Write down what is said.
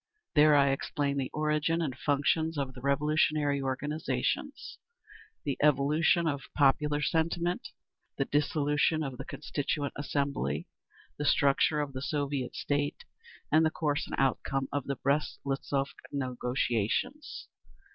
There I explain the origin and functions of the Revolutionary organisations, the evolution of popular sentiment, the dissolution of the Constituent Assembly, the structure of the Soviet state, and the course and outcome of the Brest Litovsk negotiations….